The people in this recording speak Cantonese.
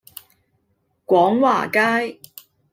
廣華街